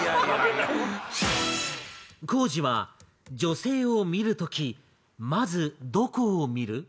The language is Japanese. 光司は女性を見る時まずどこを見る？